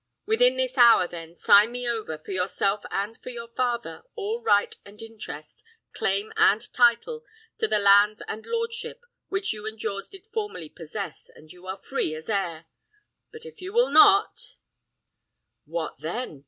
Within this hour, then, sign me over, for yourself and for your father, all right and interest, claim and title, to the lands and lordship which you and yours did formerly possess, and you are free as air. But if you will not " "What then?"